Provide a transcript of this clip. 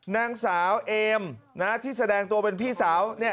นางสาวเอมที่แสดงตัวเป็นพี่สาว